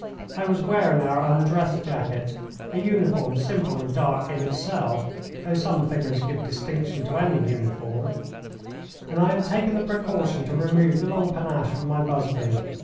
I was wearing our undress jacket, a uniform simple and dark in itself though some figures give distinction to any uniform and I had taken the precaution to remove the long panache from my busby.